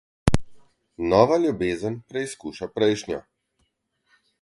Nova ljubezen preizkuša prejšnjo.